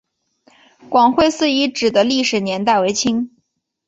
广惠寺遗址的历史年代为清。